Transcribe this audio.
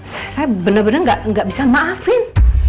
saya bener bener nggak bisa maafin